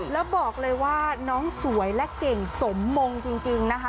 แล้วบอกเลยว่าน้องสวยและเก่งสมมงจริงนะคะ